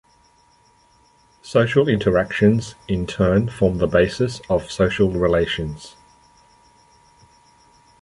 Social interactions in turn form the basis of social relations.